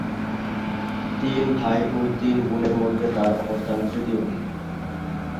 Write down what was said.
তিন ভাই ও তিন বোনের মধ্যে তার অবস্থান তৃতীয়।